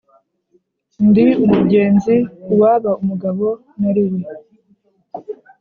ndi umugenzi Uwaba umugabo nari we